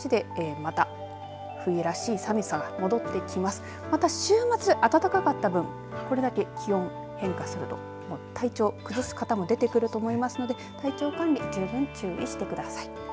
また週末、暖かかった分これだけ気温、変化すると体調崩す方も出てくると思いますので体調管理十分注意してください。